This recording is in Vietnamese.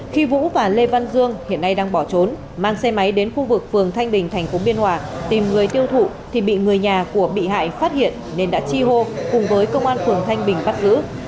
khi vũ và lê văn dương hiện nay đang bỏ trốn mang xe máy đến khu vực phường thanh bình tp biên hòa tìm người tiêu thụ thì bị người nhà của bị hại phát hiện nên đã chi hô cùng với công an phường thanh bình bắt giữ